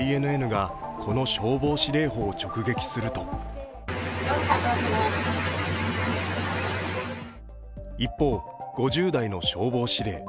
ＪＮＮがこの消防司令補を直撃すると一方、５０代の消防司令。